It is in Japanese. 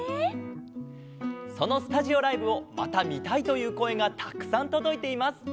そのスタジオライブをまたみたいというこえがたくさんとどいています。